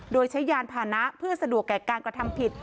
โดยใช้ยานพานะเพื่อสะดวกแก่การกระทำผิด